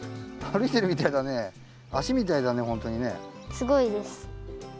すごいです。